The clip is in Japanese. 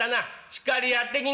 しっかりやってきな！」。